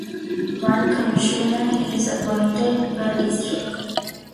One commissioner is appointed per district.